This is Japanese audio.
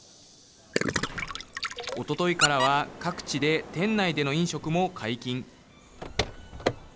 おとといからは各地で店内での飲食も解禁。